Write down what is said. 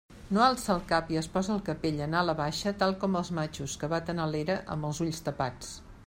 No alça el cap i es posa el capell en ala baixa tal com els matxos que baten a l'era amb els ulls tapats.